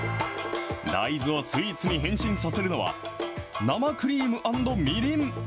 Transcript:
大豆をスイーツに変身させるのは、生クリーム＆みりん。